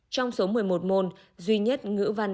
trong số một mươi một môn duy nhất ngữ văn